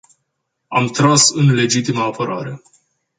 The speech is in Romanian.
Am tras în legitimă apărare.